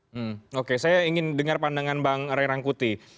hmm oke saya ingin dengar pandangan bang ray rangkuti